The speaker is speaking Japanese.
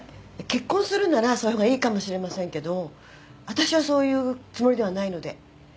結婚するならそういう方がいいかもしれませんけど私はそういうつもりではないので。